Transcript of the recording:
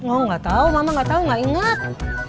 oh enggak tau mama enggak tau enggak ingat